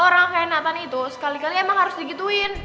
orang kayak nathan itu sekali kali emang harus digituin